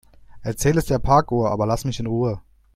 Erzähl es der Parkuhr, aber lass mich in Ruhe.